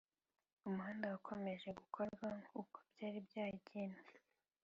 umuhanda wakomeje gukorwa uko byari byagenwe